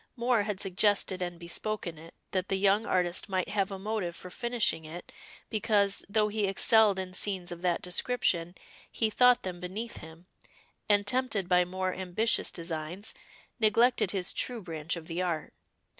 Moor had suggested and bespoken it, that the young artist might have a motive for finishing it, because, though he excelled in scenes of that description, he thought them beneath him, and tempted by more ambitious designs, neglected his true branch of the art.